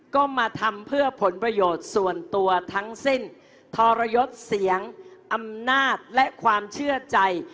ก็มาทำเพื่อผลประโยชน์ส่วนตัวทั้งสิ้นทรยศเสียงอำนาจและความเชื่อใจ